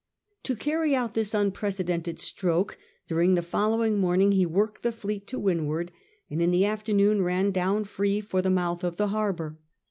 To carry out this un precedented stroke, during the following morning he worked the fleet to windward and in the afternoon ran down free for the mouth of the harbour.